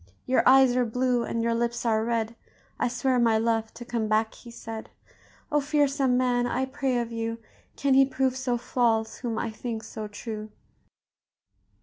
Your eyes are blue, and your lips are red; I swear, my love, to come back,' he said. O, fearsome man! I pray of you, Can he prove so false whom I think so true?"